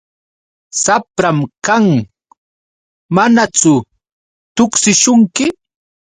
Shapran kan. ¿Manachu tuksishunki?